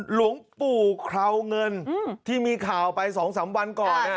หลวงปู่คราวเงินที่มีข่าวไป๒๓วันก่อน